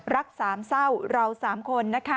รักสามเศร้าเราสามคน